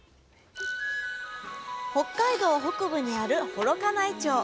北海道北部にある幌加内町。